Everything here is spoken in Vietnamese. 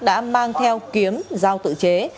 đã mang theo kiếm giao tự chế